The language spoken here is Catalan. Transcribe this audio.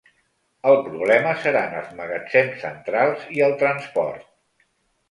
El problema seran els magatzem centrals i el transport.